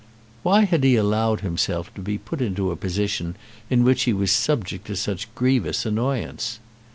Why had he allowed himself to be put into a position in which he was subject to such grievous annoyance?